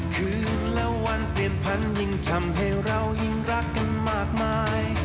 คือแล้ววันเปลี่ยนพันยิ่งทำให้เรายิ่งรักกันมากมาย